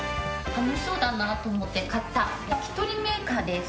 楽しそうだなと思って買った焼き鳥メーカーです。